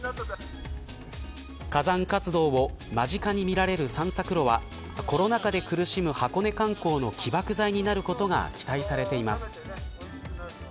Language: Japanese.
火山活動を間近に見られる散策路はコロナ禍で苦しむ箱根観光の起爆剤になることが期待されています。